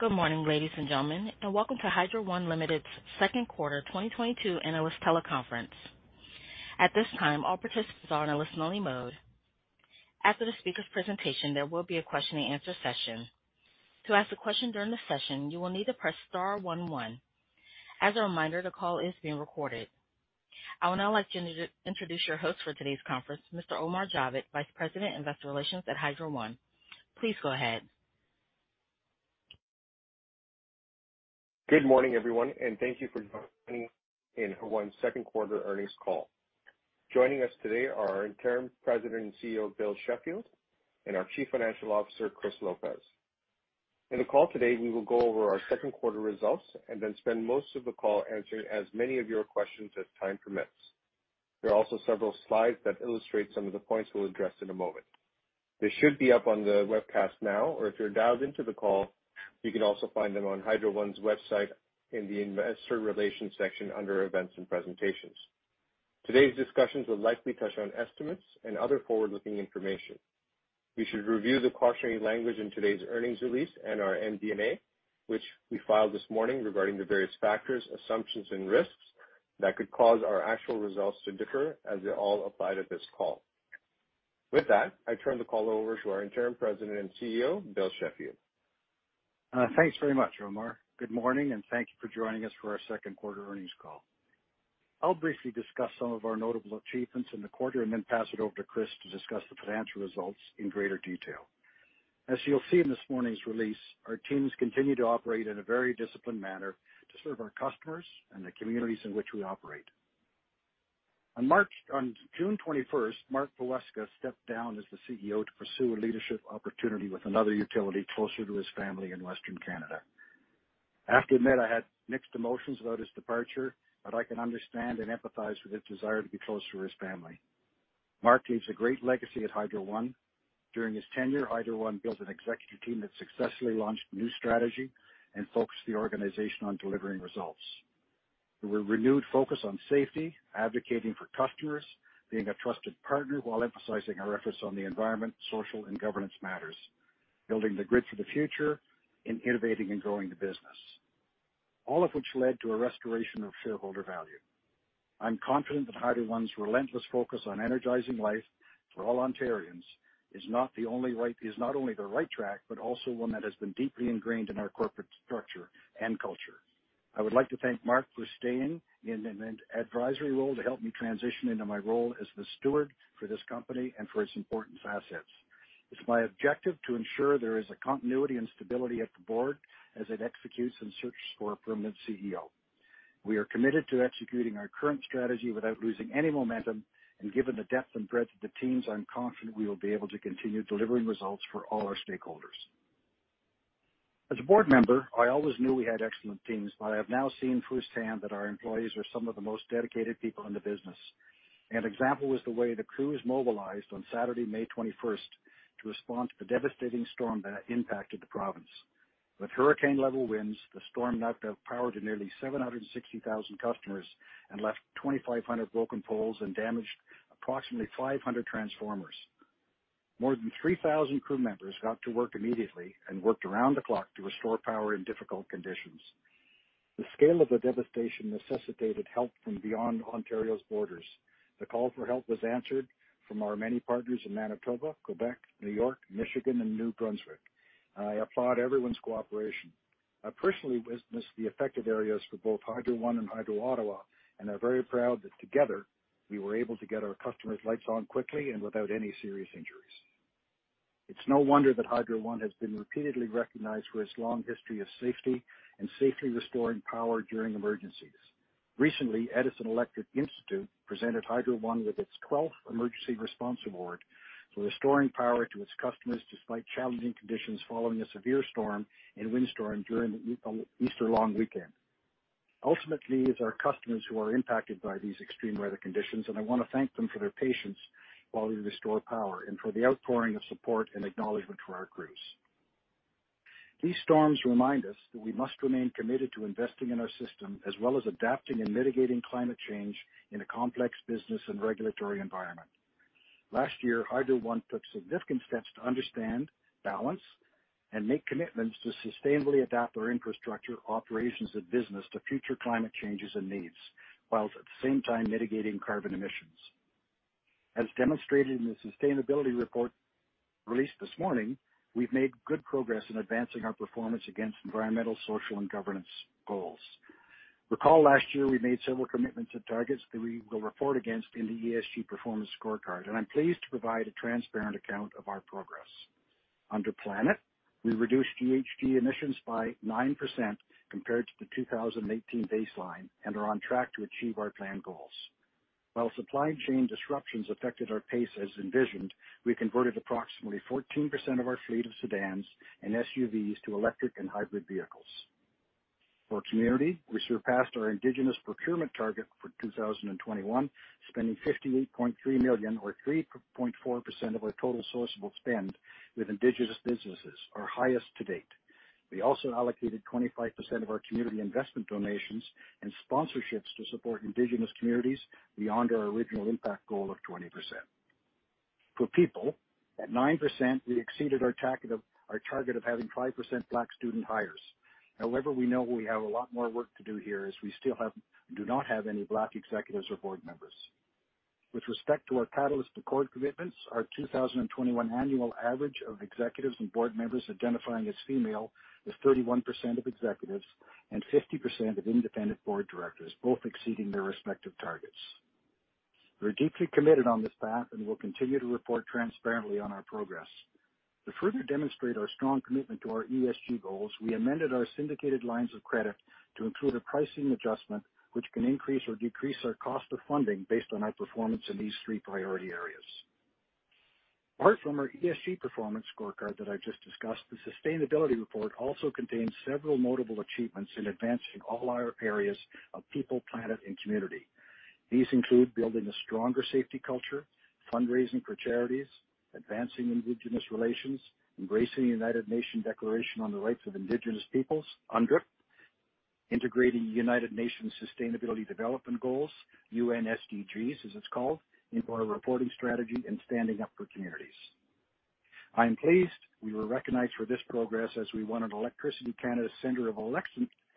Good morning, ladies and gentlemen, and welcome to Hydro One Limited's second quarter 2022 analyst teleconference. At this time, all participants are in a listen-only mode. After the speaker's presentation, there will be a question-and-answer session. To ask a question during the session, you will need to press star one one. As a reminder, the call is being recorded. I would now like to introduce your host for today's conference, Mr. Omar Javed, Vice President, Investor Relations at Hydro One. Please go ahead. Good morning, everyone, and thank you for joining in Hydro One's second quarter earnings call. Joining us today are our Interim President and CEO, Bill Sheffield, and our Chief Financial Officer, Chris Lopez. In the call today, we will go over our second quarter results and then spend most of the call answering as many of your questions as time permits. There are also several slides that illustrate some of the points we'll address in a moment. They should be up on the webcast now, or if you're dialed into the call, you can also find them on Hydro One's website in the investor relations section under events and presentations. Today's discussions will likely touch on estimates and other forward-looking information. You should review the cautionary language in today's earnings release and our MD&A, which we filed this morning regarding the various factors, assumptions and risks that could cause our actual results to differ as they all apply to this call. With that, I turn the call over to our Interim President and CEO, Bill Sheffield. Thanks very much, Omar. Good morning, and thank you for joining us for our second quarter earnings call. I'll briefly discuss some of our notable achievements in the quarter and then pass it over to Chris to discuss the financial results in greater detail. As you'll see in this morning's release, our teams continue to operate in a very disciplined manner to serve our customers and the communities in which we operate. On June 21st, Mark Poweska stepped down as the CEO to pursue a leadership opportunity with another utility closer to his family in Western Canada. I have to admit I had mixed emotions about his departure, but I can understand and empathize with his desire to be closer to his family. Mark leaves a great legacy at Hydro One. During his tenure, Hydro One built an executive team that successfully launched a new strategy and focused the organization on delivering results. With a renewed focus on safety, advocating for customers, being a trusted partner while emphasizing our efforts on the environment, social, and governance matters, building the grid for the future, and innovating and growing the business. All of which led to a restoration of shareholder value. I'm confident that Hydro One's relentless focus on energizing life for all Ontarians is not only the right track, but also one that has been deeply ingrained in our corporate structure and culture. I would like to thank Mark for staying in an advisory role to help me transition into my role as the steward for this company and for its important assets. It's my objective to ensure there is a continuity and stability at the board as it executes and searches for a permanent CEO. We are committed to executing our current strategy without losing any momentum, and given the depth and breadth of the teams, I'm confident we will be able to continue delivering results for all our stakeholders. As a board member, I always knew we had excellent teams, but I have now seen firsthand that our employees are some of the most dedicated people in the business. An example is the way the crews mobilized on Saturday, May 21st, to respond to the devastating storm that impacted the province. With hurricane-level winds, the storm knocked out power to nearly 760,000 customers and left 2,500 broken poles and damaged approximately 500 transformers. More than 3,000 crew members got to work immediately and worked around the clock to restore power in difficult conditions. The scale of the devastation necessitated help from beyond Ontario's borders. The call for help was answered from our many partners in Manitoba, Quebec, New York, Michigan, and New Brunswick. I applaud everyone's cooperation. I personally witnessed the affected areas for both Hydro One and Hydro Ottawa, and I'm very proud that together, we were able to get our customers' lights on quickly and without any serious injuries. It's no wonder that Hydro One has been repeatedly recognized for its long history of safety and safely restoring power during emergencies. Recently, Edison Electric Institute presented Hydro One with its twelfth Emergency Response Award for restoring power to its customers despite challenging conditions following a severe storm and windstorm during the Easter long weekend. Ultimately, it's our customers who are impacted by these extreme weather conditions, and I want to thank them for their patience while we restore power and for the outpouring of support and acknowledgment for our crews. These storms remind us that we must remain committed to investing in our system as well as adapting and mitigating climate change in a complex business and regulatory environment. Last year, Hydro One took significant steps to understand and balance and make commitments to sustainably adapt our infrastructure, operations and business to future climate changes and needs, while at the same time mitigating carbon emissions. As demonstrated in the sustainability report released this morning, we've made good progress in advancing our performance against environmental, social, and governance goals. Recall last year, we made several commitments and targets that we will report against in the ESG performance scorecard, and I'm pleased to provide a transparent account of our progress. Under Planet, we reduced GHG emissions by 9% compared to the 2018 baseline and are on track to achieve our plan goals. While supply chain disruptions affected our pace as envisioned, we converted approximately 14% of our fleet of sedans and SUVs to electric and hybrid vehicles. For community, we surpassed our indigenous procurement target for 2021, spending 58.3 million or 3.4% of our total sourceable spend with indigenous businesses, our highest to date. We also allocated 25% of our community investment donations and sponsorships to support indigenous communities beyond our original impact goal of 20%. For people, at 9%, we exceeded our target of having 5% Black student hires. However, we know we have a lot more work to do here as we still do not have any Black executives or board members. With respect to our Catalyst Accord commitments, our 2021 annual average of executives and board members identifying as female is 31% of executives and 50% of independent board directors, both exceeding their respective targets. We're deeply committed on this path and will continue to report transparently on our progress. To further demonstrate our strong commitment to our ESG goals, we amended our syndicated lines of credit to include a pricing adjustment, which can increase or decrease our cost of funding based on our performance in these three priority areas. Apart from our ESG performance scorecard that I just discussed, the sustainability report also contains several notable achievements in advancing all our areas of people, planet, and community. These include building a stronger safety culture, fundraising for charities, advancing indigenous relations, embracing United Nations Declaration on the Rights of Indigenous Peoples, UNDRIP, integrating United Nations Sustainable Development Goals, UN SDGs, as it's called, into our reporting strategy and standing up for communities. I am pleased we were recognized for this progress as we won an Electricity Canada Centre of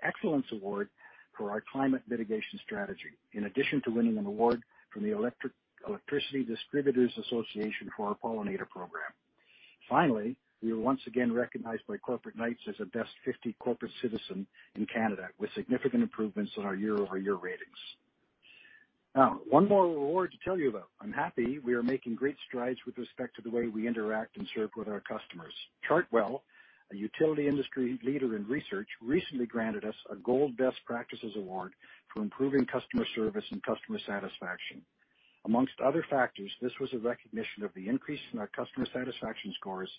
Excellence Award for our climate mitigation strategy, in addition to winning an award from the Electricity Distributors Association for our pollinator program. Finally, we were once again recognized by Corporate Knights as a Best 50 Corporate Citizens in Canada, with significant improvements in our year-over-year ratings. Now, one more award to tell you about. I'm happy we are making great strides with respect to the way we interact and serve with our customers. Chartwell, a utility industry leader in research, recently granted us a Gold Best Practices Award for improving customer service and customer satisfaction. Among other factors, this was a recognition of the increase in our customer satisfaction scores,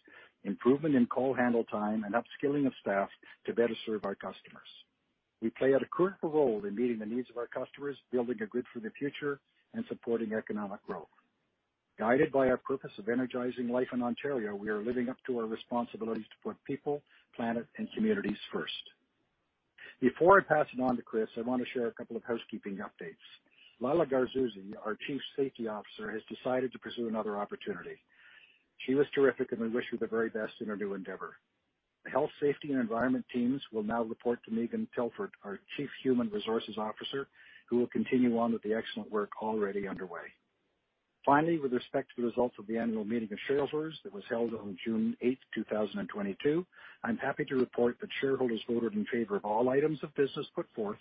improvement in call handle time, and upskilling of staff to better serve our customers. We play a critical role in meeting the needs of our customers, building a grid for the future, and supporting economic growth. Guided by our purpose of energizing life in Ontario, we are living up to our responsibilities to put people, planet, and communities first. Before I pass it on to Chris, I want to share a couple of housekeeping updates. Lyla Garzouzi, our Chief Safety Officer, has decided to pursue another opportunity. She was terrific, and we wish her the very best in her new endeavor. The health, safety, and environment teams will now report to Megan Telford, our Chief Human Resources Officer, who will continue on with the excellent work already underway. Finally, with respect to the results of the annual meeting of shareholders that was held on June 8, 2022, I'm happy to report that shareholders voted in favor of all items of business put forth.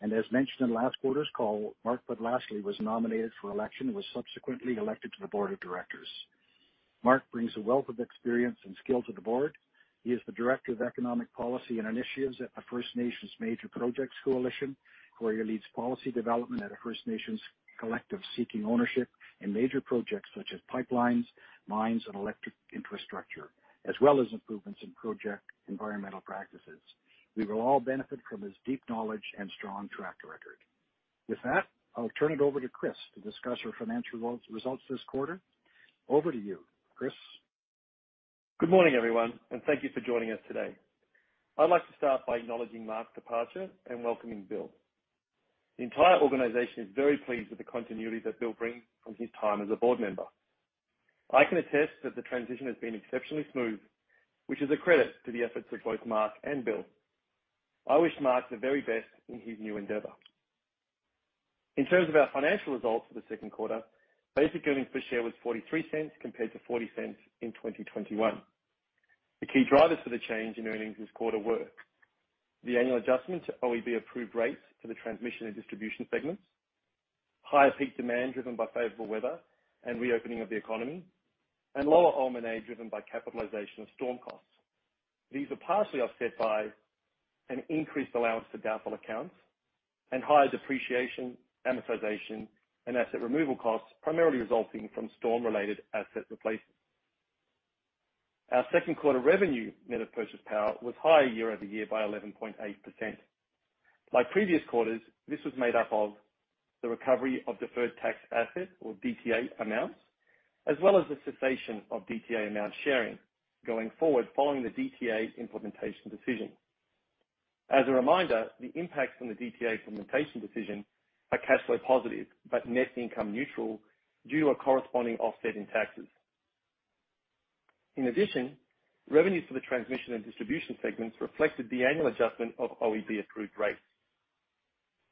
As mentioned in last quarter's call, Mark Podlasly was nominated for election and was subsequently elected to the board of directors. Mark brings a wealth of experience and skill to the board. He is the director of economic policy and initiatives at the First Nations Major Projects Coalition, where he leads policy development at a First Nations collective seeking ownership in major projects such as pipelines, mines, and electric infrastructure, as well as improvements in project environmental practices. We will all benefit from his deep knowledge and strong track record. With that, I'll turn it over to Chris to discuss our financial results this quarter. Over to you, Chris. Good morning, everyone, and thank you for joining us today. I'd like to start by acknowledging Mark's departure and welcoming Bill. The entire organization is very pleased with the continuity that Bill brings from his time as a board member. I can attest that the transition has been exceptionally smooth, which is a credit to the efforts of both Mark and Bill. I wish Mark the very best in his new endeavor. In terms of our financial results for the second quarter, basic earnings per share was 0.43 compared to 0.40 in 2021. The key drivers for the change in earnings this quarter were the annual adjustment to OEB-approved rates for the transmission and distribution segments, higher peak demand driven by favorable weather and reopening of the economy, and lower O&M&A driven by capitalization of storm costs. These are partially offset by an increased allowance for doubtful accounts and higher depreciation, amortization, and asset removal costs, primarily resulting from storm-related asset replacements. Our second quarter revenue net of purchase power was higher year-over-year by 11.8%. Like previous quarters, this was made up of the recovery of deferred tax assets or DTA amounts, as well as the cessation of DTA amount sharing going forward following the DTA implementation decision. As a reminder, the impacts from the DTA implementation decision are cash flow positive but net income neutral due to a corresponding offset in taxes. In addition, revenues for the transmission and distribution segments reflected the annual adjustment of OEB-approved rates.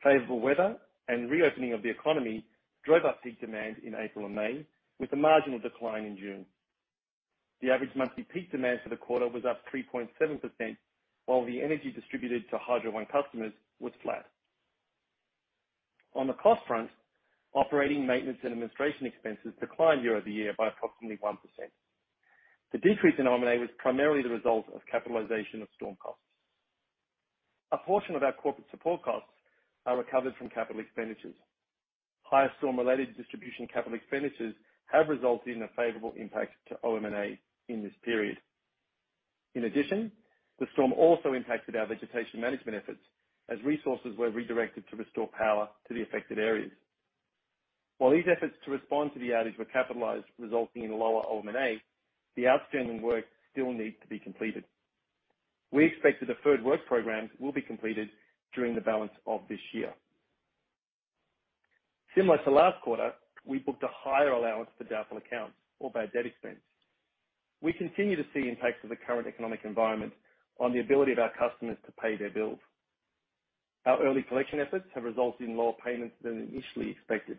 Favorable weather and reopening of the economy drove up peak demand in April and May, with a marginal decline in June. The average monthly peak demand for the quarter was up 3.7%, while the energy distributed to Hydro One customers was flat. On the cost front, operating maintenance and administration expenses declined year-over-year by approximately 1%. The decrease in O&M&A was primarily the result of capitalization of storm costs. A portion of our corporate support costs are recovered from capital expenditures. Higher storm-related distribution capital expenditures have resulted in a favorable impact to O&M&A in this period. In addition, the storm also impacted our vegetation management efforts as resources were redirected to restore power to the affected areas. While these efforts to respond to the outage were capitalized, resulting in lower O&M&A, the outstanding work still needs to be completed. We expect the deferred work programs will be completed during the balance of this year. Similar to last quarter, we booked a higher allowance for doubtful accounts or bad debt expense. We continue to see impacts of the current economic environment on the ability of our customers to pay their bills. Our early collection efforts have resulted in lower payments than initially expected,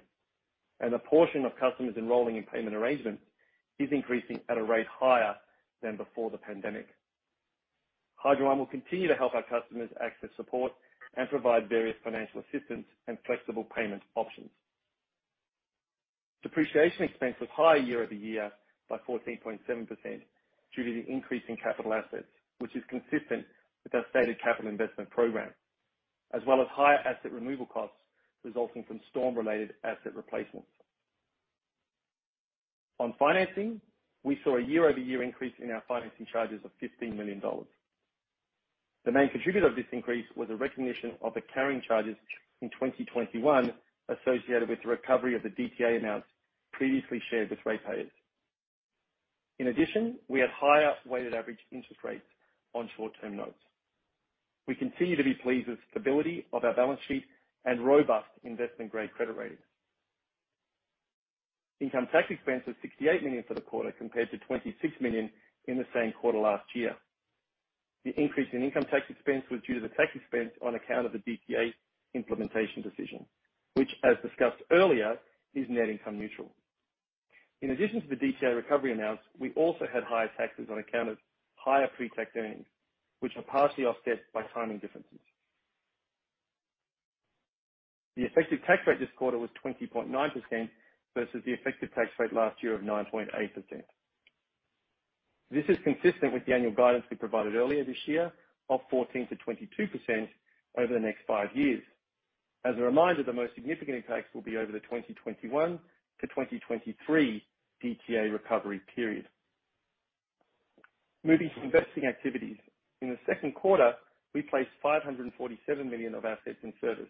and the portion of customers enrolling in payment arrangements is increasing at a rate higher than before the pandemic. Hydro One will continue to help our customers access support and provide various financial assistance and flexible payment options. Depreciation expense was higher year-over-year by 14.7% due to the increase in capital assets, which is consistent with our stated capital investment program, as well as higher asset removal costs resulting from storm-related asset replacements. On financing, we saw a year-over-year increase in our financing charges of 15 million dollars. The main contributor of this increase was a recognition of the carrying charges in 2021 associated with the recovery of the DTA amounts previously shared with ratepayers. In addition, we had higher weighted average interest rates on short-term notes. We continue to be pleased with the stability of our balance sheet and robust investment-grade credit rating. Income tax expense was 68 million for the quarter compared to 26 million in the same quarter last year. The increase in income tax expense was due to the tax expense on account of the DTA implementation decision, which, as discussed earlier, is net income neutral. In addition to the DTA recovery amounts, we also had higher taxes on account of higher pre-tax earnings, which are partially offset by timing differences. The effective tax rate this quarter was 20.9% versus the effective tax rate last year of 9.8%. This is consistent with the annual guidance we provided earlier this year of 14%-22% over the next five years. As a reminder, the most significant impacts will be over the 2021-2023 DTA recovery period. Moving to investing activities. In the second quarter, we placed 547 million of assets in service,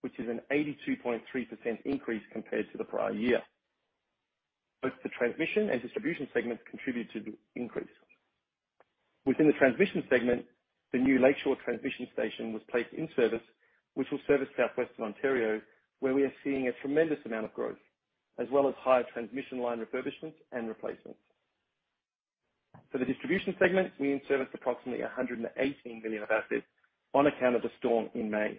which is an 82.3% increase compared to the prior year. Both the transmission and distribution segments contributed to the increase. Within the transmission segment, the new Lakeshore Transmission Station was placed in service, which will service southwestern Ontario, where we are seeing a tremendous amount of growth, as well as higher transmission line refurbishments and replacements. For the distribution segment, we in-serviced approximately 118 million of assets on account of the storm in May.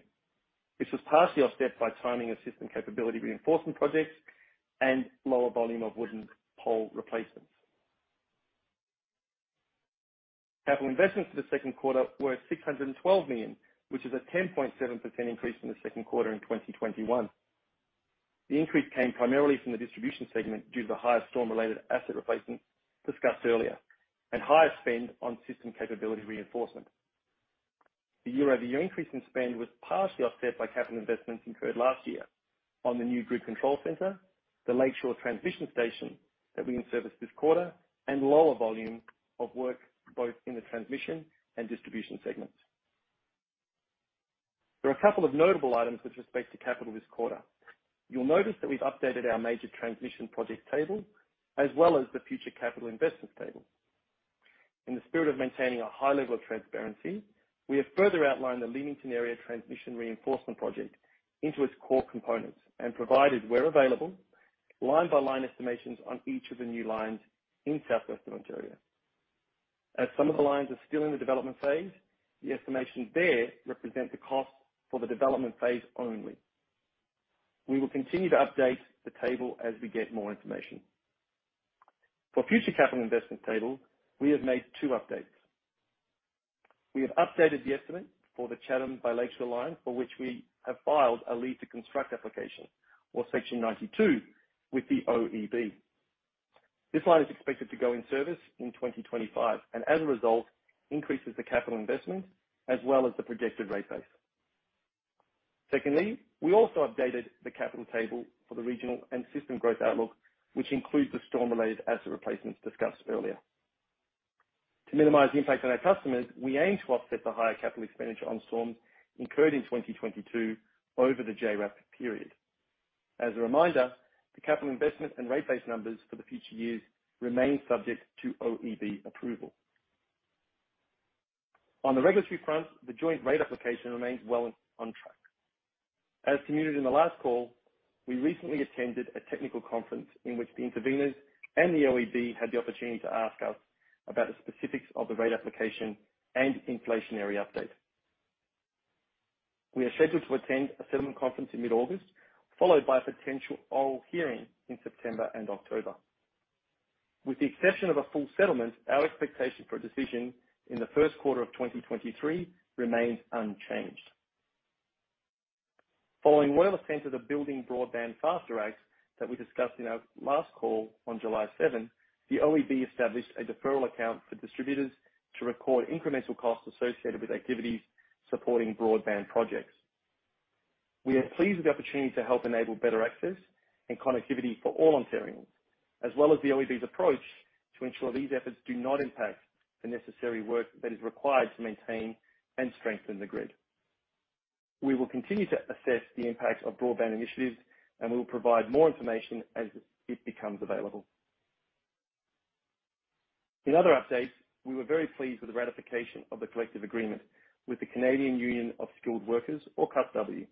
This was partially offset by timing of system capability reinforcement projects and lower volume of wooden pole replacements. Capital investments for the second quarter were 612 million, which is a 10.7% increase from the second quarter in 2021. The increase came primarily from the distribution segment due to the higher storm-related asset replacement discussed earlier and higher spend on system capability reinforcement. The year-over-year increase in spend was partially offset by capital investments incurred last year on the new Grid Control Center, the Lakeshore Transmission Station that we in-serviced this quarter, and lower volume of work both in the transmission and distribution segments. There are a couple of notable items with respect to capital this quarter. You'll notice that we've updated our major transmission project table as well as the future capital investment table. In the spirit of maintaining a high level of transparency, we have further outlined the Leamington Area Transmission Reinforcement Project into its core components and provided, where available, line-by-line estimations on each of the new lines in southwestern Ontario. As some of the lines are still in the development phase, the estimations there represent the cost for the development phase only. We will continue to update the table as we get more information. For future capital investment table, we have made two updates. We have updated the estimate for the Chatham to Lakeshore Line, for which we have filed a leave to construct application or Section 92 with the OEB. This line is expected to go in service in 2025 and, as a result, increases the capital investment as well as the projected rate base. Secondly, we also updated the capital table for the regional and system growth outlook, which includes the storm-related asset replacements discussed earlier. To minimize the impact on our customers, we aim to offset the higher capital expenditure on storms incurred in 2022 over the JRAP period. As a reminder, the capital investment and rate base numbers for the future years remain subject to OEB approval. On the regulatory front, the joint rate application remains well on track. As communicated in the last call, we recently attended a technical conference in which the intervenors and the OEB had the opportunity to ask us about the specifics of the rate application and inflationary update. We are scheduled to attend a settlement conference in mid-August, followed by a potential oral hearing in September and October. With the exception of a full settlement, our expectation for a decision in the first quarter of 2023 remains unchanged. Following one of the sections of the Building Broadband Faster Act that we discussed in our last call on July 17th, the OEB established a deferral account for distributors to record incremental costs associated with activities supporting broadband projects. We are pleased with the opportunity to help enable better access and connectivity for all Ontarians, as well as the OEB's approach to ensure these efforts do not impact the necessary work that is required to maintain and strengthen the grid. We will continue to assess the impact of broadband initiatives, and we will provide more information as it becomes available. In other updates, we were very pleased with the ratification of the collective agreement with the Canadian Union of Skilled Workers, or CUSW.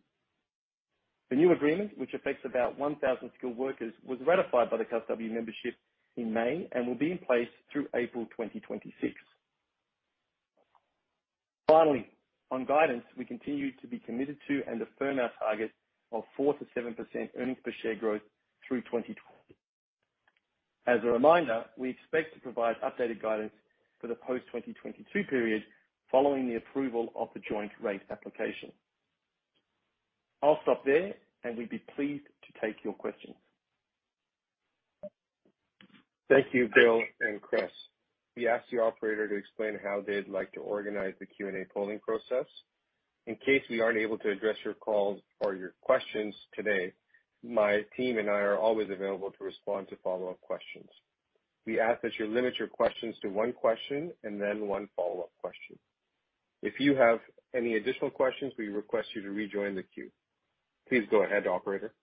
The new agreement, which affects about 1,000 skilled workers, was ratified by the CUSW membership in May and will be in place through April 2026. Finally, on guidance, we continue to be committed to and affirm our target of 4%-7% earnings per share growth through 2020. As a reminder, we expect to provide updated guidance for the post-2023 period following the approval of the joint rate application. I'll stop there, and we'd be pleased to take your questions. Thank you, Bill and Chris. We ask the operator to explain how they'd like to organize the Q&A polling process. In case we aren't able to address your calls or your questions today, my team and I are always available to respond to follow-up questions. We ask that you limit your questions to one question and then one follow-up question. If you have any additional questions, we request you to rejoin the queue. Please go ahead, operator.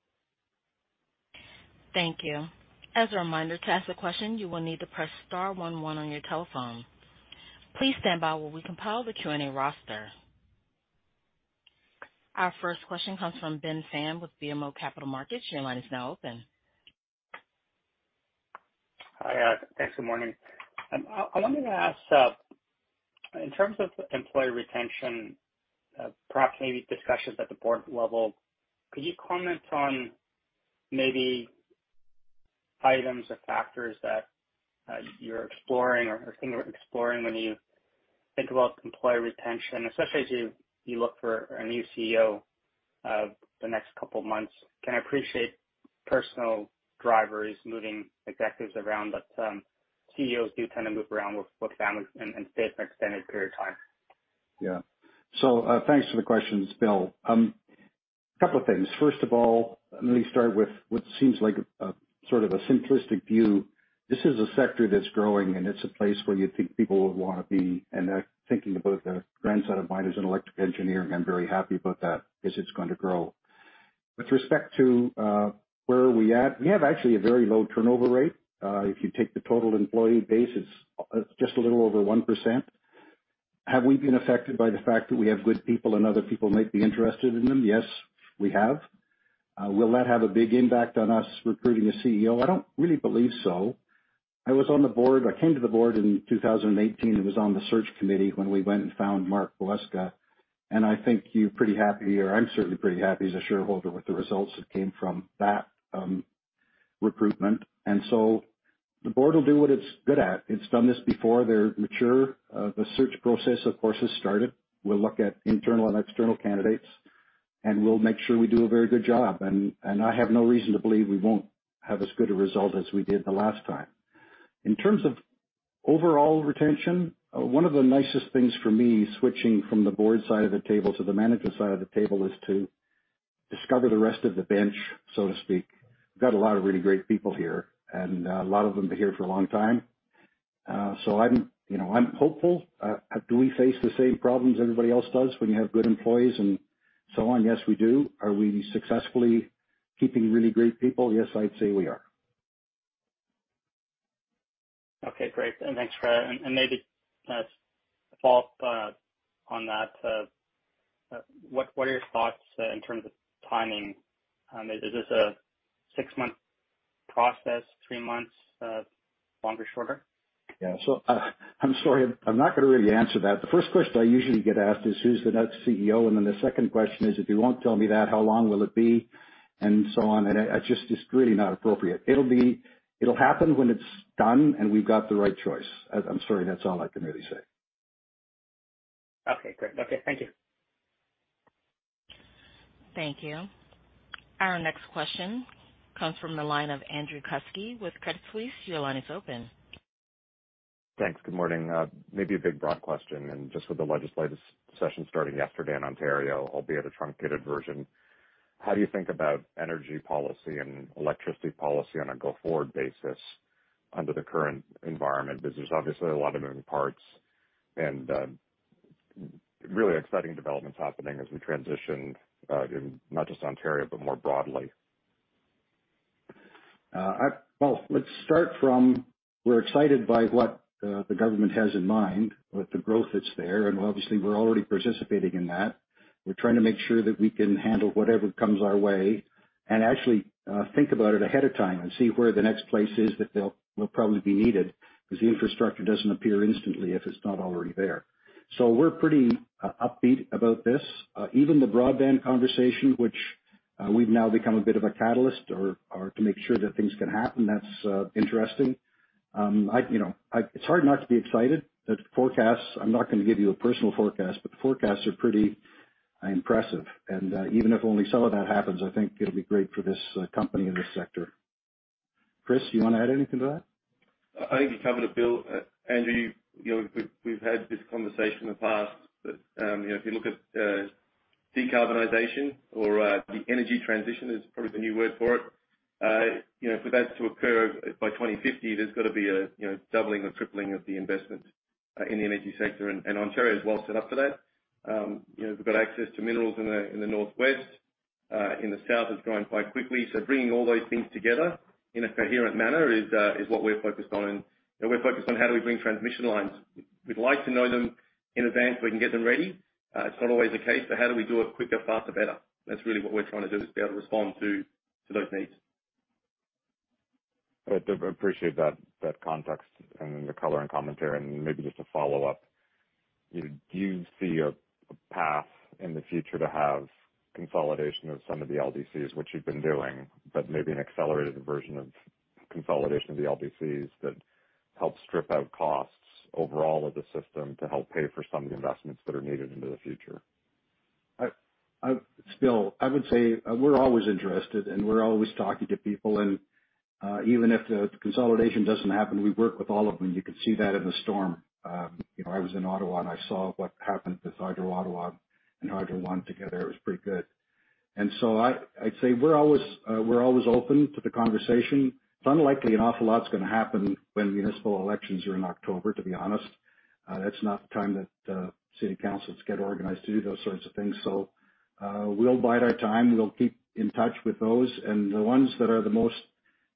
Thank you. As a reminder, to ask a question, you will need to press star one one on your telephone. Please stand by while we compile the Q&A roster. Our first question comes from Ben Pham with BMO Capital Markets. Your line is now open. Hi. Thanks. Good morning. I wanted to ask, in terms of employee retention, perhaps maybe discussions at the board level, could you comment on maybe items or factors that you're exploring or thinking or exploring when you think about employee retention, especially as you look for a new CEO over the next couple of months? I appreciate personal drivers moving executives around, but CEOs do kind of move around with families and stay for an extended period of time. Yeah. Thanks for the questions, Bill. Couple of things. First of all, let me start with what seems like a, sort of a simplistic view. This is a sector that's growing, and it's a place where you think people would wanna be. They're thinking about their grandson of mine who's an electrical engineer, and I'm very happy about that because it's going to grow. With respect to, where are we at, we have actually a very low turnover rate. If you take the total employee base, it's just a little over 1%. Have we been affected by the fact that we have good people and other people might be interested in them? Yes, we have. Will that have a big impact on us recruiting a CEO? I don't really believe so. I was on the board. I came to the board in 2018 and was on the search committee when we went and found Mark Poweska. I think you're pretty happy, or I'm certainly pretty happy as a shareholder with the results that came from that, recruitment. The board will do what it's good at. It's done this before. They're mature. The search process, of course, has started. We'll look at internal and external candidates, and we'll make sure we do a very good job. I have no reason to believe we won't have as good a result as we did the last time. In terms of overall retention, one of the nicest things for me, switching from the board side of the table to the management side of the table, is to discover the rest of the bench, so to speak. We've got a lot of really great people here, and, a lot of them have been here for a long time. I'm, you know, I'm hopeful. Do we face the same problems everybody else does when you have good employees and so on? Yes, we do. Are we successfully keeping really great people? Yes, I'd say we are. Okay, great. Thanks for that. Maybe just a follow-up on that. What are your thoughts in terms of timing? Is this a six-month process, three months, longer, shorter? I'm sorry, I'm not gonna really answer that. The first question I usually get asked is, "Who's the next CEO?" Then the second question is, "If you won't tell me that, how long will it be," and so on. It's really not appropriate. It'll happen when it's done and we've got the right choice. I'm sorry. That's all I can really say. Okay, great. Okay. Thank you. Thank you. Our next question comes from the line of Andrew Kuske with Credit Suisse. Your line is open. Thanks. Good morning. Maybe a big broad question. Just with the legislative session starting yesterday in Ontario, albeit a truncated version, how do you think about energy policy and electricity policy on a go-forward basis under the current environment? Because there's obviously a lot of moving parts and really exciting developments happening as we transition in not just Ontario, but more broadly. Well, let's start from we're excited by what the government has in mind with the growth that's there, and obviously we're already participating in that. We're trying to make sure that we can handle whatever comes our way and actually think about it ahead of time and see where the next place is that they'll probably be needed, 'cause the infrastructure doesn't appear instantly if it's not already there. We're pretty upbeat about this. Even the broadband conversation, which we've now become a bit of a catalyst or to make sure that things can happen. That's interesting. You know, it's hard not to be excited that forecasts. I'm not gonna give you a personal forecast, but the forecasts are pretty impressive. Even if only some of that happens, I think it'll be great for this company and this sector. Chris, you wanna add anything to that? I think you covered it, Bill. Andrew, you know, we've had this conversation in the past, but you know, if you look at decarbonization or the energy transition is probably the new word for it. You know, for that to occur by 2050, there's got to be a you know, doubling or tripling of the investment in the energy sector. Ontario is well set up for that. You know, we've got access to minerals in the northwest. In the south, it's growing quite quickly. Bringing all those things together in a coherent manner is what we're focused on. We're focused on how do we bring transmission lines. We'd like to know them in advance, we can get them ready. It's not always the case, but how do we do it quicker, faster, better? That's really what we're trying to do, is be able to respond to those needs. I appreciate that context and the color and commentary. Maybe just a follow-up. Do you see a path in the future to have consolidation of some of the LDCs, which you've been doing, but maybe an accelerated version of consolidation of the LDCs that helps strip out costs overall of the system to help pay for some of the investments that are needed into the future? Still, I would say we're always interested, and we're always talking to people. Even if the consolidation doesn't happen, we work with all of them. You could see that in the storm. You know, I was in Ottawa, and I saw what happened with Hydro Ottawa and Hydro One together. It was pretty good. I'd say we're always open to the conversation. It's unlikely an awful lot's gonna happen when municipal elections are in October, to be honest. That's not the time that city councils get organized to do those sorts of things. We'll bide our time. We'll keep in touch with those. The ones that are the most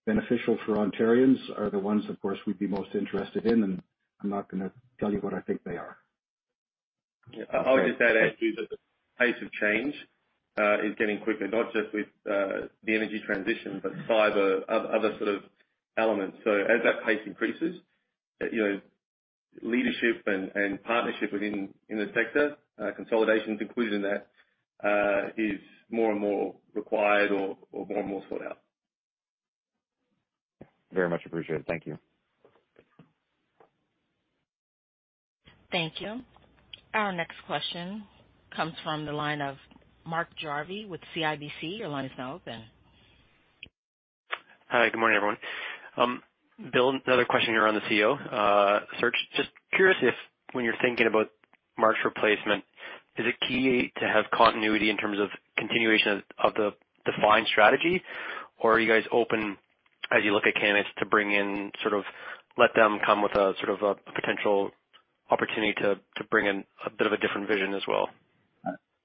beneficial for Ontarians are the ones, of course, we'd be most interested in. I'm not gonna tell you what I think they are. I would just add actually that the pace of change is getting quicker, not just with the energy transition, but cyber, other sort of elements. As that pace increases, you know, leadership and partnership within the sector, consolidations included in that, is more and more required or more and more sought after. Very much appreciated. Thank you. Thank you. Our next question comes from the line of Mark Jarvi with CIBC. Your line is now open. Hi. Good morning, everyone. Bill, another question here on the CEO search. Just curious if when you're thinking about Mark's replacement, is it key to have continuity in terms of continuation of the defined strategy? Or are you guys open as you look at candidates to bring in sort of let them come with a sort of a potential opportunity to bring in a bit of a different vision as well?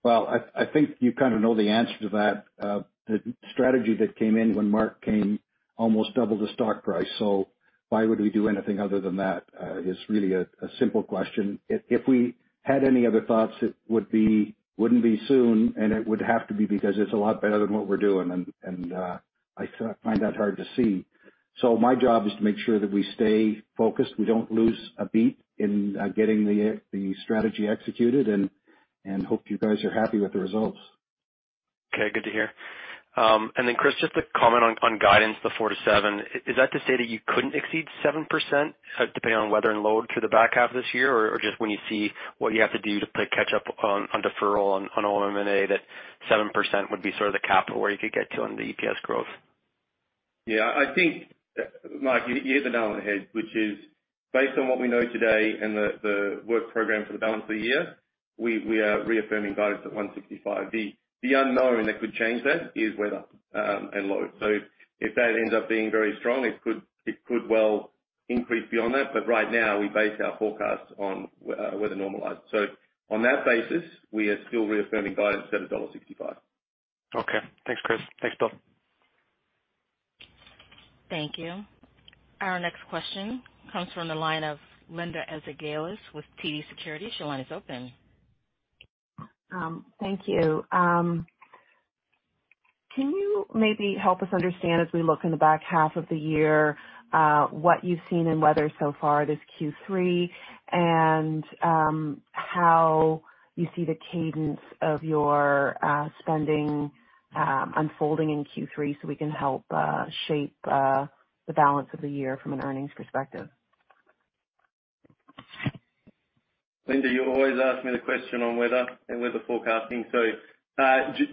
Well, I think you kind of know the answer to that. The strategy that came in when Mark came almost doubled the stock price. Why would we do anything other than that is really a simple question. If we had any other thoughts, it wouldn't be soon, and it would have to be because it's a lot better than what we're doing. I find that hard to see. My job is to make sure that we stay focused, we don't lose a beat in getting the strategy executed and hope you guys are happy with the results. Okay. Good to hear. Chris, just a comment on guidance, the 4%-7%. Is that to say that you couldn't exceed 7%, depending on weather and load through the back half of this year? Just when you see what you have to do to play catch up on deferral on O&M&A, that 7% would be sort of the capital where you could get to on the EPS growth? Yeah. I think, Mark, you hit the nail on the head, which is based on what we know today and the work program for the balance of the year, we are reaffirming guidance at 1.65. The unknown that could change that is weather and load. If that ends up being very strong, it could well increase beyond that. Right now we base our forecasts on weather normalized. On that basis, we are still reaffirming guidance at dollar 1.65. Okay. Thanks, Chris. Thanks, Bill. Thank you. Our next question comes from the line of Linda Ezergailis with TD Securities. Your line is open. Thank you. Can you maybe help us understand as we look in the back half of the year, what you've seen in weather so far this Q3, and how you see the cadence of your spending unfolding in Q3 so we can help shape the balance of the year from an earnings perspective? Linda, you always ask me the question on weather and weather forecasting.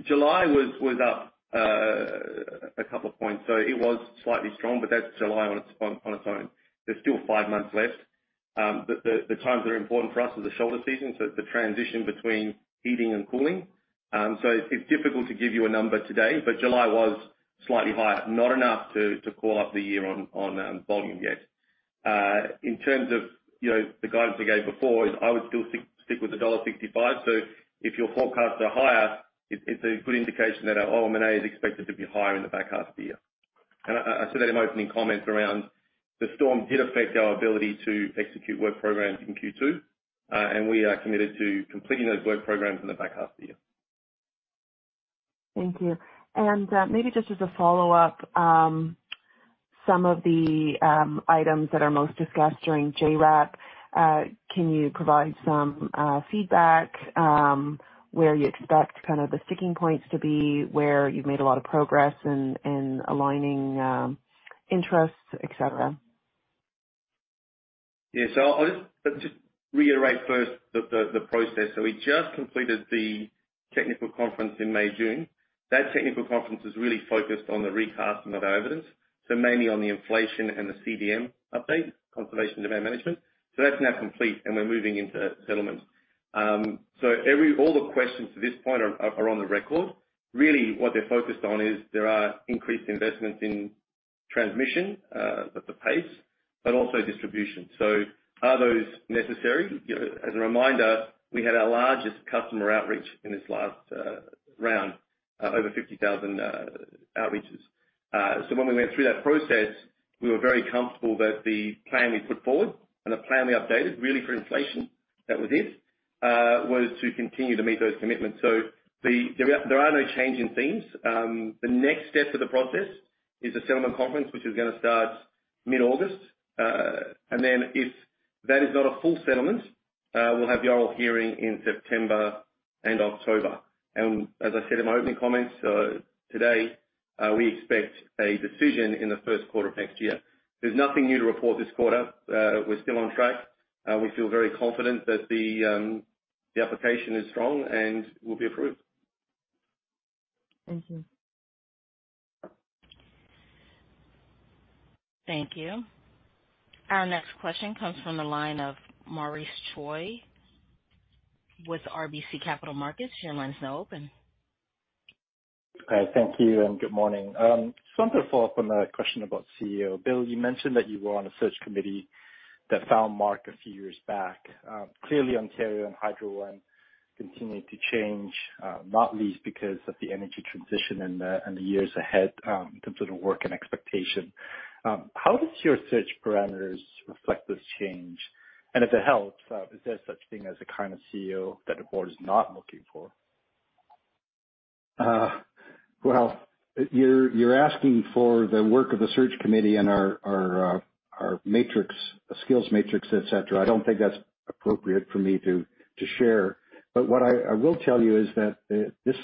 July was up a couple of points. It was slightly strong, but that's July on its own. There's still five months left. The times that are important for us is the shoulder season, so the transition between heating and cooling. It's difficult to give you a number today, but July was slightly higher, not enough to call out the year on volume yet. In terms of the guidance we gave before, I would still stick with dollar 165. If your forecasts are higher, it's a good indication that our OM&A is expected to be higher in the back half of the year. I said that in my opening comments around the storm did affect our ability to execute work programs in Q2, and we are committed to completing those work programs in the back half of the year. Thank you. Maybe just as a follow-up, some of the items that are most discussed during JRAP, can you provide some feedback, where you expect kind of the sticking points to be, where you've made a lot of progress in aligning interests, et cetera? Yeah. Let's just reiterate first the process. We just completed the technical conference in May, June. That technical conference was really focused on the recasting of our evidence, mainly on the inflation and the CDM update, conservation demand management. That's now complete and we're moving into settlement. All the questions to this point are on the record. Really what they're focused on is there are increased investments in transmission, but the pace, but also distribution. Are those necessary? You know, as a reminder, we had our largest customer outreach in this last round, over 50,000 outreaches. When we went through that process, we were very comfortable that the plan we put forward and the plan we updated really for inflation that was it, was to continue to meet those commitments. There are no changes in themes. The next step to the process is a settlement conference, which is gonna start mid-August. Then if that is not a full settlement, we'll have the oral hearing in September and October. As I said in my opening comments today, we expect a decision in the first quarter of next year. There's nothing new to report this quarter. We're still on track. We feel very confident that the application is strong and will be approved. Mm-hmm. Thank you. Our next question comes from the line of Maurice Choy with RBC Capital Markets. Your line is now open. Thank you and good morning. Just want to follow up on a question about CEO. Bill, you mentioned that you were on a search committee that found Mark a few years back. Clearly, Ontario and Hydro One continue to change, not least because of the energy transition in the years ahead, in terms of the work and expectation. How does your search parameters reflect this change? If it helps, is there such thing as a kind of CEO that the board is not looking for? Well, you're asking for the work of the search committee and our matrix, skills matrix, et cetera. I don't think that's appropriate for me to share. What I will tell you is that there's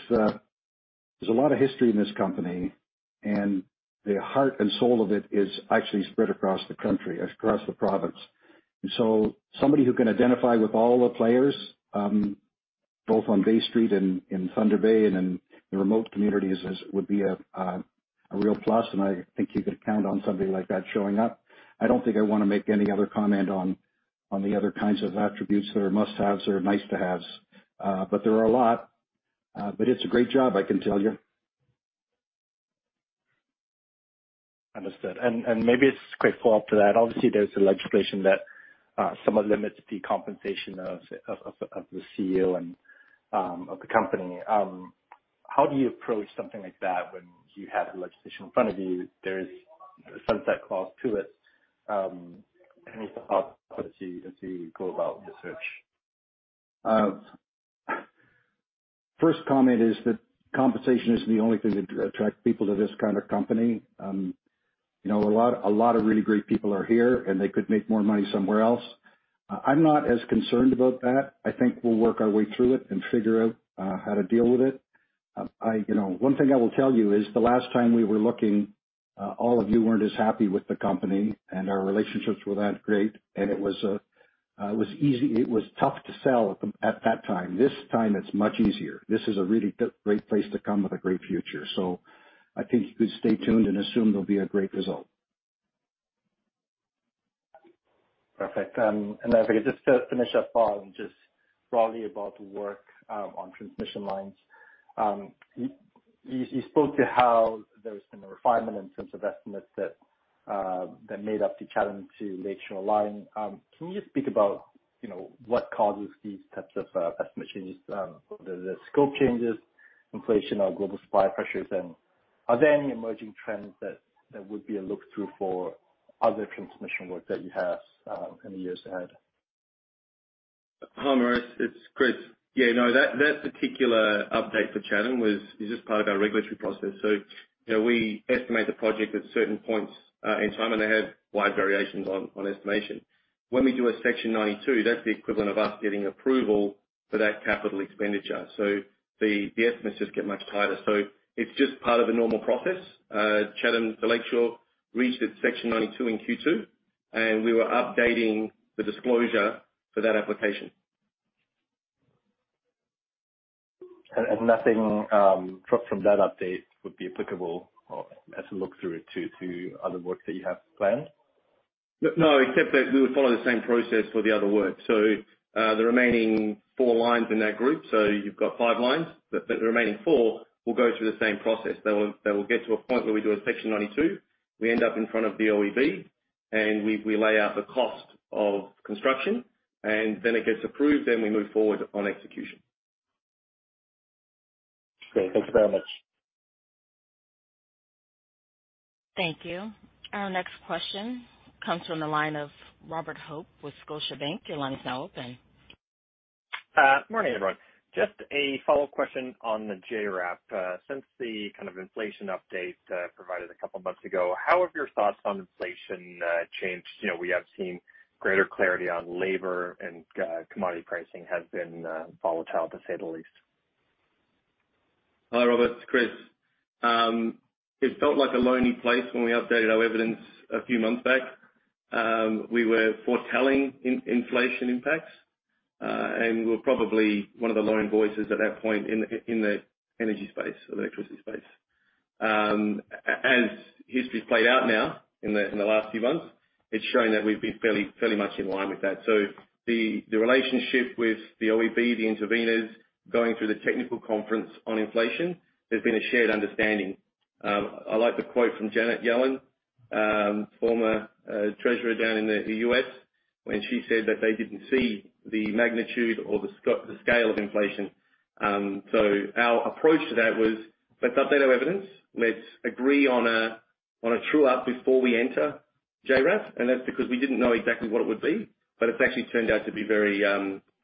a lot of history in this company, and the heart and soul of it is actually spread across the country, across the province. Somebody who can identify with all the players, both on Bay Street and in Thunder Bay and in the remote communities would be a real plus, and I think you could count on somebody like that showing up. I don't think I wanna make any other comment on the other kinds of attributes that are must-haves or nice-to-haves. There are a lot. It's a great job, I can tell you. Understood. Maybe it's a quick follow-up to that. Obviously, there's the legislation that somewhat limits the compensation of the CEO and of the company. How do you approach something like that when you have the legislation in front of you? There is a sunset clause to it. Can you talk as you go about your search? First comment is that compensation isn't the only thing that attract people to this kind of company. You know, a lot of really great people are here, and they could make more money somewhere else. I'm not as concerned about that. I think we'll work our way through it and figure out how to deal with it. You know, one thing I will tell you is the last time we were looking, all of you weren't as happy with the company, and our relationships were that great, and it was tough to sell at that time. This time it's much easier. This is a really great place to come with a great future. I think you could stay tuned and assume there'll be a great result. Perfect. If I could just finish up on just broadly about the work on transmission lines. You spoke to how there's been a refinement in terms of estimates that made up the challenge to Lakeshore Line. Can you just speak about what causes these types of estimate changes? Whether they're scope changes, inflation or global supply pressures. Are there any emerging trends that would be a look through for other transmission work that you have in the years ahead? Hi, Maurice. It's Chris. Yeah, no, that particular update for Chatham is just part of our regulatory process. You know, we estimate the project at certain points in time, and they have wide variations on estimation. When we do a Section 92, that's the equivalent of us getting approval for that capital expenditure. The estimates just get much tighter. It's just part of a normal process. Chatham to Lakeshore reached its Section 92 in Q2, and we were updating the disclosure for that application. Nothing from that update would be applicable or as you look through to other works that you have planned? No, except that we would follow the same process for the other work. The remaining four lines in that group, so you've got five lines, but the remaining four will go through the same process. They will get to a point where we do a Section 92. We end up in front of the OEB, and we lay out the cost of construction, and then it gets approved, then we move forward on execution. Great. Thank you very much. Thank you. Our next question comes from the line of Robert Hope with Scotiabank. Your line is now open. Morning, everyone. Just a follow-up question on the JRAP. Since the kind of inflation update provided a couple of months ago, how have your thoughts on inflation changed? You know, we have seen greater clarity on labor, and commodity pricing has been volatile, to say the least. Hi, Robert. It's Chris. It felt like a lonely place when we updated our evidence a few months back. We were foretelling inflation impacts. We're probably one of the lone voices at that point in the energy space, electricity space. As history has played out now in the last few months. It's shown that we've been fairly much in line with that. The relationship with the OEB, the intervenors, going through the technical conference on inflation, there's been a shared understanding. I like the quote from Janet Yellen, former treasurer down in the U.S. when she said that they didn't see the magnitude or the scale of inflation. Our approach to that was, let's update our evidence. Let's agree on a true up before we enter JRAP. That's because we didn't know exactly what it would be, but it's actually turned out to be very,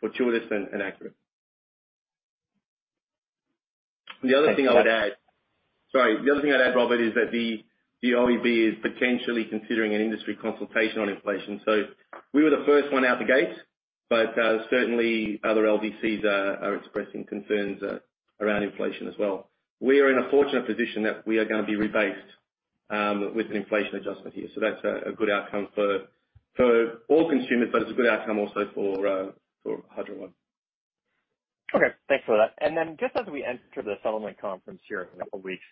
fortuitous and accurate. Okay, thanks. The other thing I'd add, Robert, is that the OEB is potentially considering an industry consultation on inflation. So we were the first one out the gate, but certainly other LDCs are expressing concerns around inflation as well. We are in a fortunate position that we are gonna be rebased with an inflation adjustment here. So that's a good outcome for all consumers, but it's a good outcome also for Hydro One. Okay. Thanks for that. Then just as we enter the settlement conference here in a couple of weeks,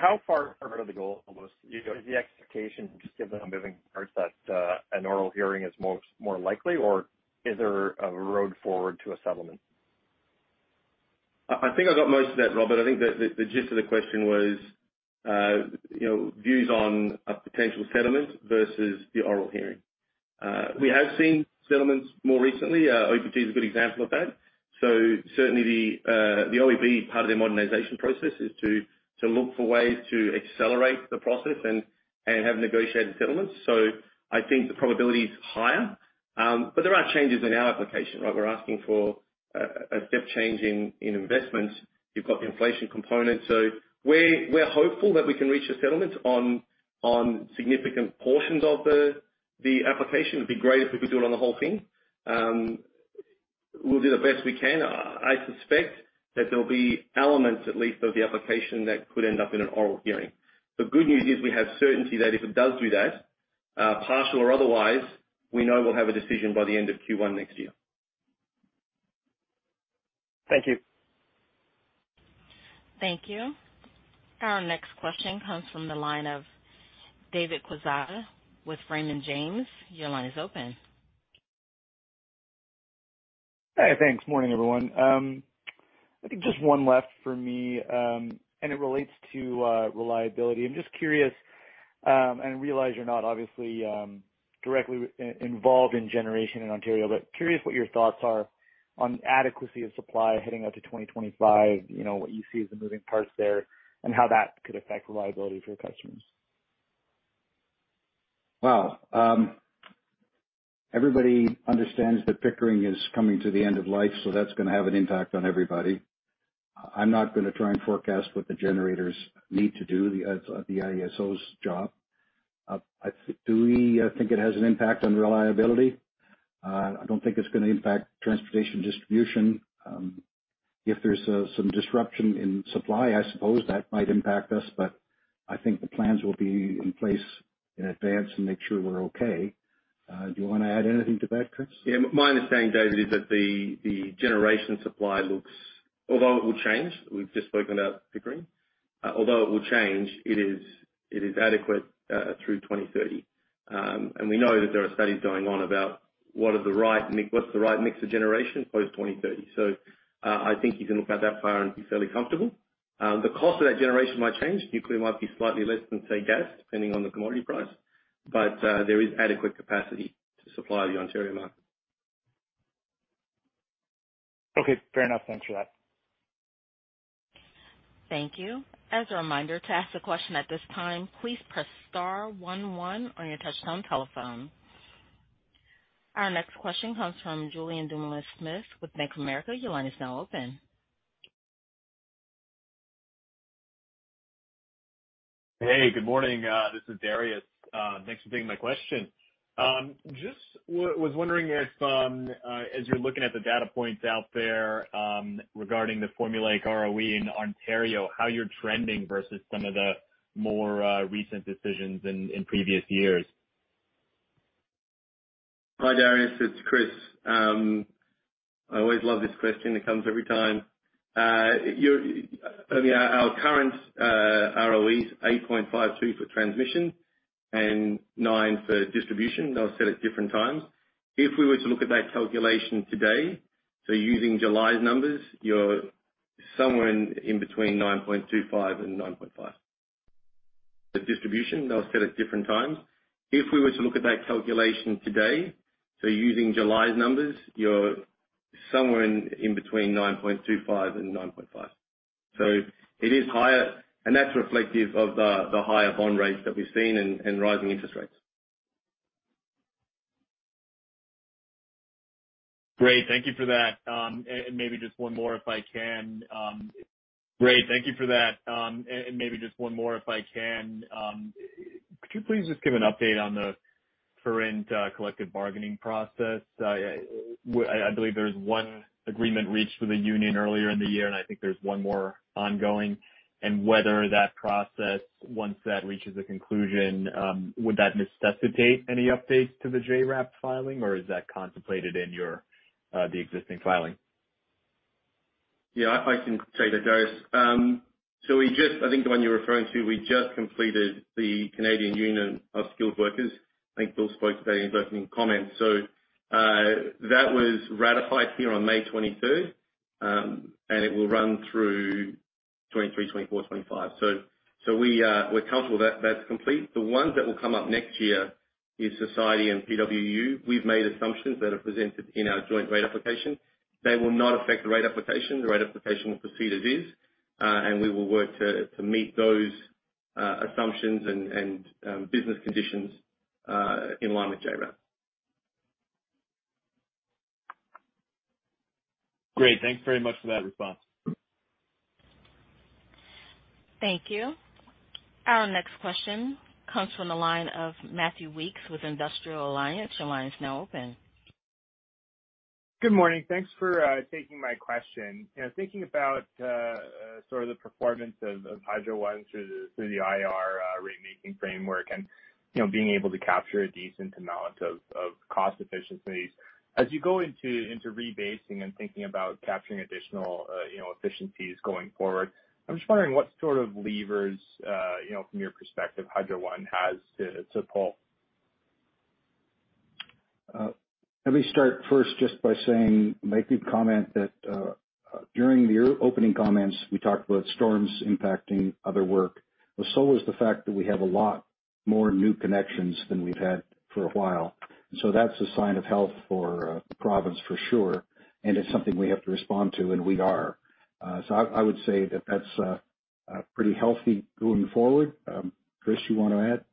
how far are the goals almost? You know, is the expectation, just given the moving parts, an oral hearing is more likely or is there a road forward to a settlement? I think I got most of that, Robert. I think that the gist of the question was, you know, views on a potential settlement versus the oral hearing. We have seen settlements more recently. OPG is a good example of that. Certainly the OEB part of their modernization process is to look for ways to accelerate the process and have negotiated settlements. I think the probability is higher. But there are changes in our application, right? We're asking for a step change in investment. You've got the inflation component. We're hopeful that we can reach a settlement on significant portions of the application. It'd be great if we could do it on the whole thing. We'll do the best we can. I suspect that there will be elements at least of the application that could end up in an oral hearing. The good news is we have certainty that if it does do that, partial or otherwise, we know we'll have a decision by the end of Q1 next year. Thank you. Thank you. Our next question comes from the line of David Quezada with Raymond James. Your line is open. Hey, thanks. Morning, everyone. I think just one left for me, and it relates to reliability. I'm just curious, and realize you're not obviously directly involved in generation in Ontario, but curious what your thoughts are on adequacy of supply heading out to 2025, you know, what you see as the moving parts there and how that could affect reliability for your customers. Well, everybody understands that Pickering is coming to the end of life, so that's gonna have an impact on everybody. I'm not gonna try and forecast what the generators need to do. That's the IESO's job. Do we think it has an impact on reliability? I don't think it's gonna impact transmission distribution. If there's some disruption in supply, I suppose that might impact us, but I think the plans will be in place in advance to make sure we're okay. Do you wanna add anything to that, Chris? Yeah. My understanding, David, is that the generation supply looks adequate although it will change. We've just spoken about Pickering. We know that there are studies going on about what's the right mix of generation post-2030. I think you can look out that far and be fairly comfortable. The cost of that generation might change. Nuclear might be slightly less than, say, gas, depending on the commodity price. There is adequate capacity to supply the Ontario market. Okay, fair enough. Thanks for that. Thank you. As a reminder to ask a question at this time, please press star one one on your touchtone telephone. Our next question comes from Julien Dumoulin-Smith with Bank of America. Your line is now open. Hey, good morning. This is Darius. Thanks for taking my question. Just was wondering if, as you're looking at the data points out there, regarding the formulaic ROE in Ontario, how you're trending versus some of the more recent decisions in previous years. Hi, Darius, it's Chris. I always love this question. It comes every time. Our current ROE is 8.52% for transmission and 9% for distribution. They were set at different times. If we were to look at that calculation today, so using July's numbers, you're somewhere in between 9.25% and 9.5%. It is higher, and that's reflective of the higher bond rates that we've seen and rising interest rates. Great. Thank you for that. Maybe just one more if I can. Could you please just give an update on the current collective bargaining process? I believe there was one agreement reached with the union earlier in the year, and I think there's one more ongoing. Whether that process, once that reaches a conclusion, would that necessitate any updates to the JRAP filing, or is that contemplated in your, the existing filing? Yeah, I can say that, Joe. I think the one you're referring to, we just completed the Canadian Union of Skilled Workers. I think Bill spoke to that in his opening comments. That was ratified here on May 23rd, and it will run through 2023, 2024, 2025. We're comfortable that that's complete. The ones that will come up next year is Society and PWU. We've made assumptions that are presented in our joint rate application. They will not affect the rate application. The rate application will proceed as is, and we will work to meet those assumptions and business conditions in line with JRAP. Great. Thanks very much for that response. Thank you. Our next question comes from the line of Matthew Weekes with Industrial Alliance. Your line is now open. Good morning. Thanks for taking my question. You know, thinking about sort of the performance of Hydro One through the IRM rate making framework and, you know, being able to capture a decent amount of cost efficiencies. As you go into rebasing and thinking about capturing additional efficiencies going forward. I'm just wondering what sort of levers from your perspective Hydro One has to pull. Let me start first just by saying, making the comment that during the opening comments, we talked about storms impacting other work. Is the fact that we have a lot more new connections than we've had for a while. That's a sign of health for the province for sure, and it's something we have to respond to, and we are. I would say that that's pretty healthy going forward. Chris, you wanna add?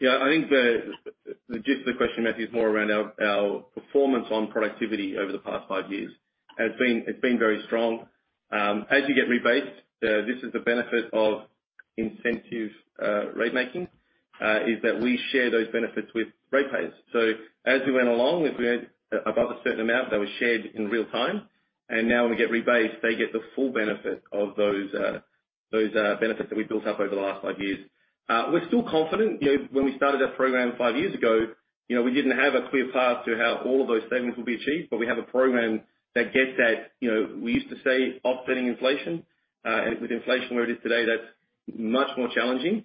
Yeah, I think the gist of the question, Matthew, is more around our performance on productivity over the past five years. It's been very strong. As you get rebased, this is the benefit of Incentive Rate Making is that we share those benefits with ratepayers. As we went along, if we went above a certain amount that was shared in real time, and now when we get rebased, they get the full benefit of those benefits that we built up over the last five years. We're still confident. You know, when we started our program five years ago, you know, we didn't have a clear path to how all of those savings will be achieved. We have a program that gets at, you know, we used to say offsetting inflation. With inflation where it is today, that's much more challenging.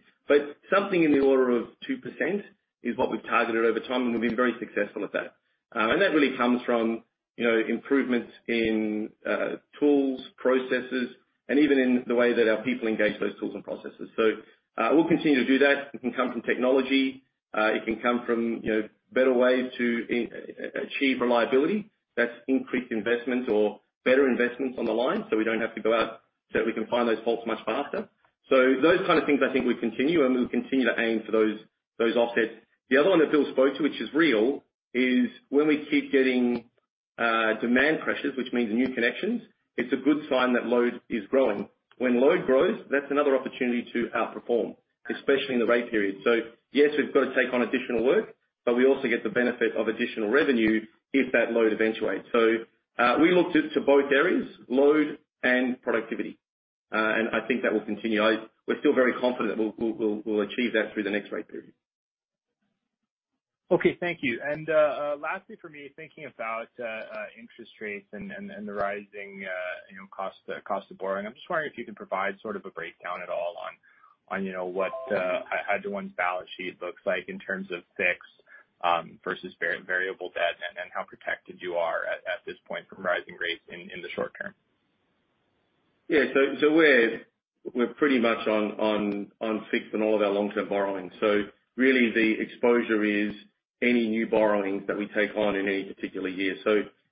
Something in the order of 2% is what we've targeted over time, and we've been very successful at that. That really comes from, you know, improvements in, tools, processes, and even in the way that our people engage those tools and processes. We'll continue to do that. It can come from technology. It can come from, you know, better ways to achieve reliability. That's increased investment or better investments on the line, so we don't have to go out, so that we can find those faults much faster. Those kind of things I think will continue, and we'll continue to aim for those offsets. The other one that Bill spoke to, which is real, is when we keep getting demand pressures, which means new connections. It's a good sign that load is growing. When load grows, that's another opportunity to outperform, especially in the rate period. Yes, we've got to take on additional work, but we also get the benefit of additional revenue if that load eventuates. We look to both areas, load and productivity. I think that will continue. We're still very confident we'll achieve that through the next rate period. Okay. Thank you. Lastly for me, thinking about interest rates and the rising you know cost of borrowing. I'm just wondering if you can provide sort of a breakdown at all on you know what Hydro One's balance sheet looks like in terms of fixed versus variable debt, and how protected you are at this point from rising rates in the short term. Yeah. We're pretty much on fixed in all of our long-term borrowings. Really the exposure is any new borrowings that we take on in any particular year.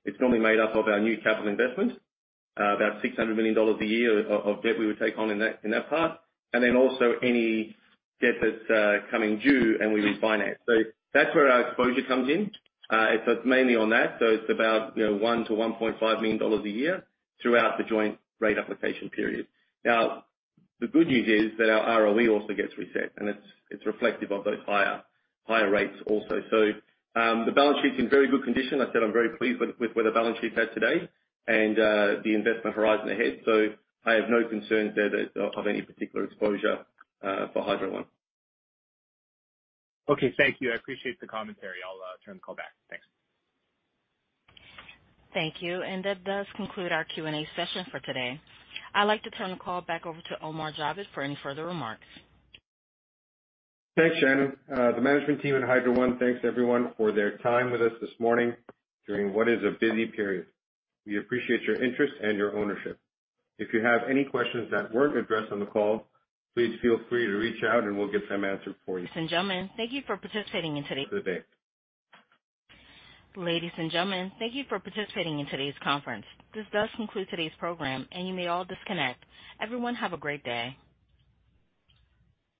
It's normally made up of our new capital investment, about 600 million dollars a year of debt we would take on in that part. And then also any debt that's coming due and we refinance. That's where our exposure comes in. It's mainly on that. It's about, you know, 1 million-1.5 million dollars a year throughout the joint rate application period. Now, the good news is that our ROE also gets reset, and it's reflective of those higher rates also. The balance sheet's in very good condition. I said I'm very pleased with where the balance sheet's at today and the investment horizon ahead. I have no concerns there that of any particular exposure for Hydro One. Okay, thank you. I appreciate the commentary. I'll turn the call back. Thanks. Thank you. That does conclude our Q&A session for today. I'd like to turn the call back over to Omar Javed for any further remarks. Thanks, Shannon. The management team and Hydro One thank everyone for their time with us this morning during what is a busy period. We appreciate your interest and your ownership. If you have any questions that weren't addressed on the call, please feel free to reach out and we'll get them answered for you. Ladies and gentlemen, thank you for participating in today. Have a good day. Ladies and gentlemen, thank you for participating in today's conference. This does conclude today's program, and you may all disconnect. Everyone, have a great day.